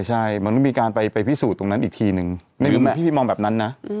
ใช่มันต้องมีการไปพิสูจน์ตรงนั้นอีกทีนึงในมุมพี่มองแบบนั้นนะ